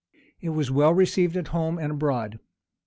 It was well received at home and abroad.